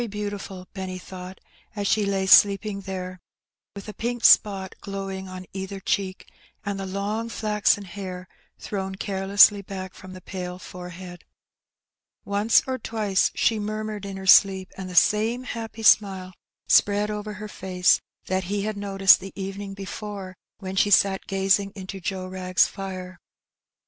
25 beantifal^ Benny thought, as she lay sleeping there, with a pink spot glowing on either cheek, and the long flaxen hair thrown carelessly back from the pale forehead. Once or twice she murmured in her sleep, and the same happy smile spread over her face that he had noticed the evening before when she sat gazing into Joe Wrag's fire.